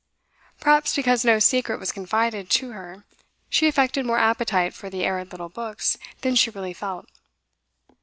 Perhaps because no secret was confided to her, she affected more appetite for the arid little books than she really felt.